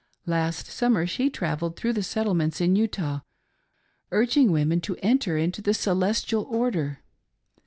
Last summer she travelled through the settlements in Utah, urging the women to enter into the " Celestial Order."